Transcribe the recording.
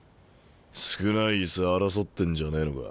少ない椅子争ってんじゃねえのか。